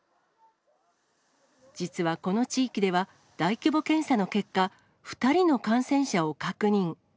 実はこの地域では、大規模検査の結果、２人の感染者を確認。